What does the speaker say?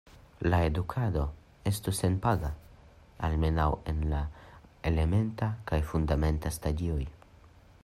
La edukado estu senpaga, almenaŭ en la elementa kaj fundamenta stadioj.